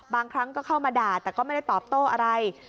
บางครั้งก็เข้ามาด่าแต่ก็ไม่ได้ตอบโต้อะไร